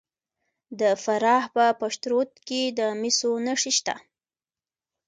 د فراه په پشت رود کې د مسو نښې شته.